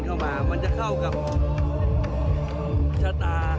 เข้ามามันจะเข้ากับชะตา